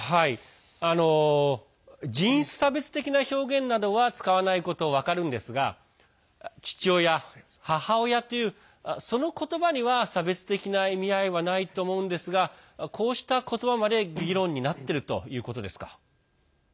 人種差別的な表現などは使わないことは分かるんですが父親、母親という、その言葉には差別的な意味合いはないと思うんですがこうした言葉まで議論になってるということですか。